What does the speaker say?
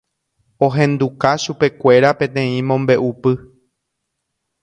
ohenduka chupekuéra peteĩ mombe'upy